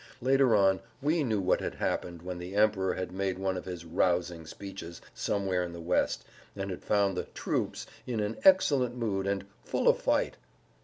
Later on we knew what had happened when the Emperor had made one of his "rousing" speeches somewhere in the west and had found the "troops" in an "excellent" mood and "full of fight."